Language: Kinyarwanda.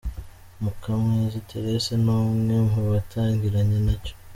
Mukamwezi Therese ni umwe mu batangiranye nacyo.